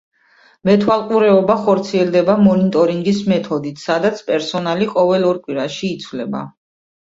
მეთვალყურეობა ხორციელდება მონიტორინგის მეთოდით, სადაც პერსონალი ყოველ ორ კვირაში იცვლება.